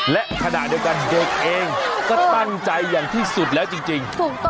และขณะเดียวกันเด็กเองก็ตั้งใจอย่างที่สุดแล้วจริง